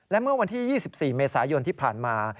และเมื่อวันที่๒๔เมษายนที่ผ่านมา